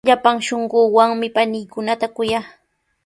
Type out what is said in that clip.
Llapan shunquuwanmi paniikunata kuyaa.